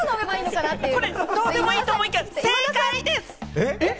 これ、どうでもいいと思うけれども、正解です！